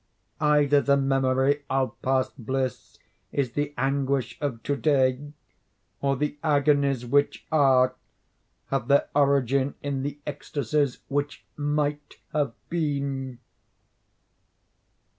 Either the memory of past bliss is the anguish of to day, or the agonies which are, have their origin in the ecstasies which might have been.